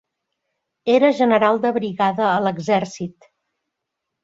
Era general de brigada a l'exèrcit.